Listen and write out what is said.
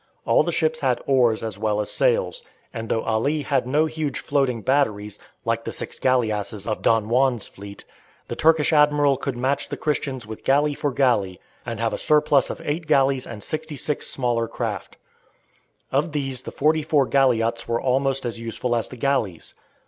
All the ships had oars as well as sails, and though Ali had no huge floating batteries, like the six galleasses of Don Juan's fleet, the Turkish admiral could match the Christians with galley for galley, and have a surplus of 8 galleys and 66 smaller craft. Of these the 44 galliots were almost as useful as the galleys.